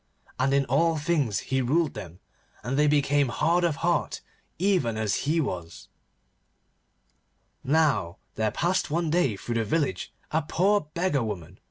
And in all things he ruled them, and they became hard of heart even as he was. Now there passed one day through the village a poor beggar woman.